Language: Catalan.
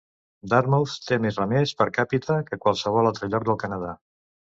Dartmouth té més remers per càpita que qualsevol altre lloc del Canadà.